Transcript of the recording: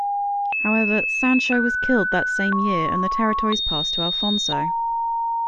However, Sancho was killed that same year and the territories passed to Alfonso.